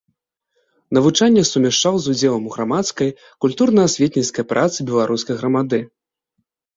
Навучанне сумяшчаў з удзелам у грамадскай, культурна-асветніцкай працы беларускай грамады.